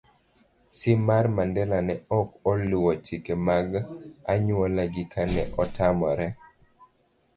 C. mar Mandela ne ok oluwo chike mag anyuolagi kane otamore